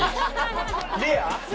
レア？